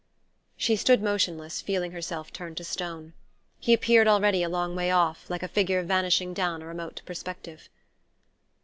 She stood motionless, feeling herself turn to stone. He appeared already a long way off, like a figure vanishing down a remote perspective.